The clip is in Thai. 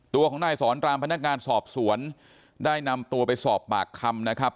ตัวของนายสอนรามพนักงานสอบสวนได้นำตัวไปสอบปากคำนะครับ